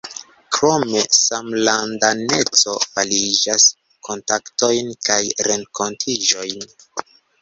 Krome, samlandaneco faciligas kontaktojn kaj renkontiĝojn.